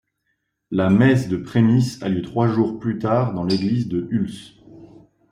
La Messe de prémices a lieu trois jours plus tard dans l'église de Hüls.